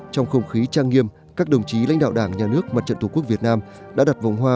trong không khí trang nghiêm các đồng chí lãnh đạo đảng nhà nước mặt trận tổ quốc việt nam đã đặt vòng hoa